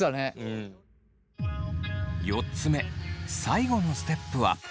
４つ目最後のステップは。